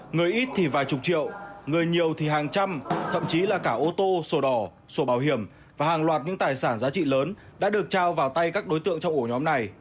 người ít thì vài chục triệu người nhiều thì hàng trăm thậm chí là cả ô tô sổ đỏ sổ bảo hiểm và hàng loạt những tài sản giá trị lớn đã được trao vào tay các đối tượng trong ổ nhóm này